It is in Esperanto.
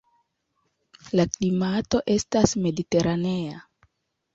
La klimato estas mediteranea.